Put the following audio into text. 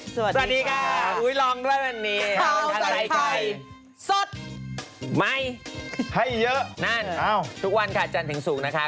สวัสดีค่ะอุ๊ยลองเล่าแบบนี้ข้าวใส่ไข่สดไม่ให้เยอะนั่นทุกวันค่ะจันทร์ถึงสูงนะคะ